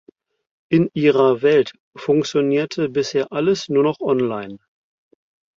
In ihrer Welt funktionierte bisher alles nur noch online.